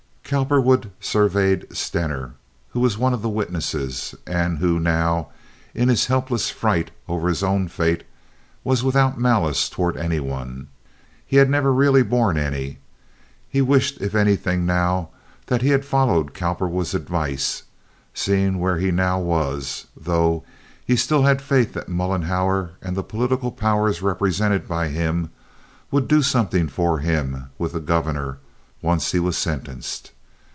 Cowperwood surveyed Stener, who was one of the witnesses, and who now, in his helpless fright over his own fate, was without malice toward any one. He had really never borne any. He wished if anything now that he had followed Cowperwood's advice, seeing where he now was, though he still had faith that Mollenhauer and the political powers represented by him would do something for him with the governor, once he was sentenced.